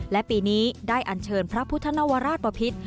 และปีนี้ได้อันเชิญพระพุทธนวราชบพิษ